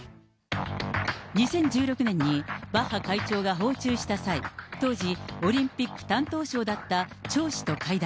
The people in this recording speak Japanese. ２０１６年に、バッハ会長が訪中した際、当時、オリンピック担当相だった張氏と会談。